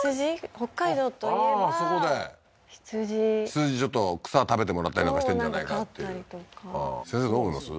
北海道といえば羊羊ちょっと草食べてもらったりなんかしてるんじゃないかっていうああー先生どう思います？